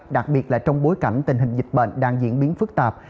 đặc biệt là trong bối cảnh tình hình dịch bệnh đang diễn biến phức tạp